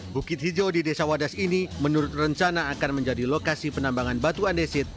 bukit hijau di desa wadas ini menurut rencana akan menjadi lokasi penambangan batu andesit